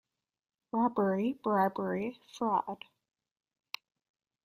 Robbery, bribery, fraud,